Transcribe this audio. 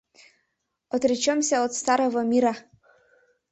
Отречёмся от старого ми-ир-а